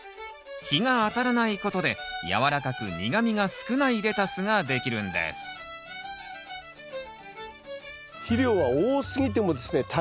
日が当たらないことで軟らかく苦みが少ないレタスができるんです肥料は多すぎてもですね